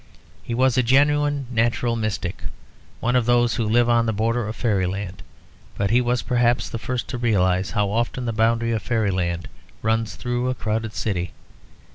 He was a genuine natural mystic, one of those who live on the border of fairyland. But he was perhaps the first to realise how often the boundary of fairyland runs through a crowded city.